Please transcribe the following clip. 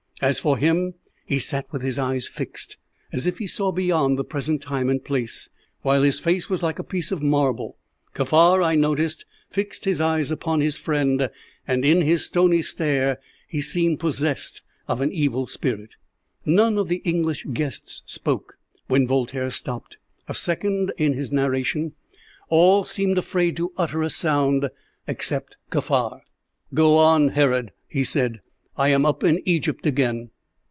As for him, he sat with his eyes fixed, as if he saw beyond the present time and place, while his face was like a piece of marble. Kaffar, I noticed, fixed his eyes upon his friend, and in his stony stare he seemed possessed of an evil spirit. None of the English guests spoke when Voltaire stopped a second in his narration. All seemed afraid to utter a sound, except Kaffar. "Go on, Herod," he said; "I am up in Egypt again."